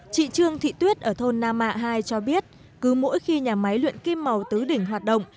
chị trương thị tuyết ở thôn nam mạ hai cho biết cứ mỗi khi nhà máy luyện kim màu tứ đỉnh hoạt động